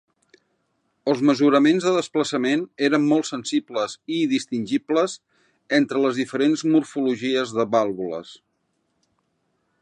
Els mesuraments de desplaçament eren molt sensibles i distingibles entre les diferents morfologies de vàlvules.